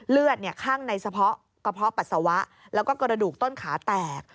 เลือดข้างในกระเพาะปัสสาวะแล้วก็กระดูกต้นขาแตก